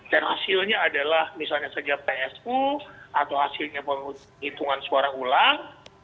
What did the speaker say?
dan hasilnya adalah misalnya sejak psu atau hasilnya penghitungan suara ulang